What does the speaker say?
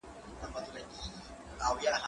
کېدای سي درسونه اوږده وي!؟